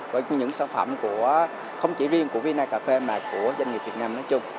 với những sản phẩm không chỉ riêng của vinacafé mà của doanh nghiệp việt nam nói chung